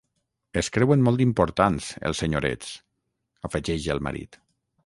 Es creuen molt importants, els senyorets —afegeix el marit.